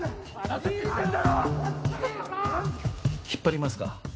引っ張りますか？